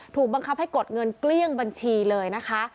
ถูกบังคับให้กดเงินเกลี้ยงบัญชีเลยนะคะ